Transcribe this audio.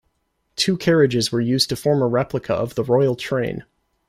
Two carriages were used to form a replica of the Royal Train.